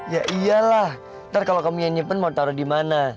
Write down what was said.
ya iyalah ntar kalo kamu yang nyimpen mau taro dimana